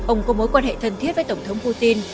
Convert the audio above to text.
ông có mối quan hệ thân thiết với tổng thống putin